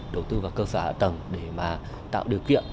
đầu tư vào cơ sở hạ tầng để mà tạo điều kiện